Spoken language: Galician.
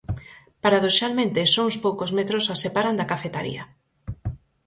Paradoxalmente só uns poucos metros as separan da cafetaría.